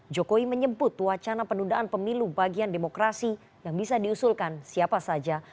jokowi menyebut wacana penundaan pemilu bagian demokrasi yang bisa diusulkan siapa saja